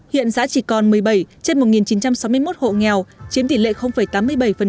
hiện xã chỉ còn một mươi bảy trên một chín trăm sáu mươi một hộ nghèo chiếm tỷ lệ tám mươi bảy